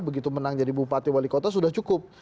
begitu menang jadi bupati wali kota sudah cukup